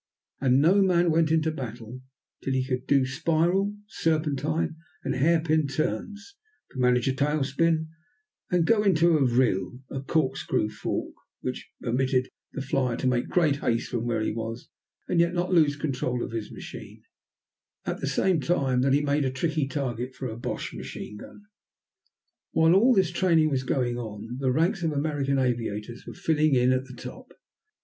And no man went to battle till he could do spiral, serpentine, and hairpin turns, could manage a tail spin, and "go into a vrille" a corkscrew fall which permitted the flier to make great haste from where he was, and yet not lose control of his machine, at the same time that he made a tricky target for a Boche machine gun. While all this training was going on the ranks of American aviators were filling in at the top.